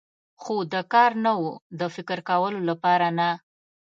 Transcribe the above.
خو د کار نه و، د فکر کولو لپاره نه.